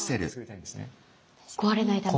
壊れないために？